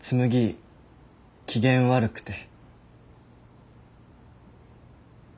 紬機嫌悪くて。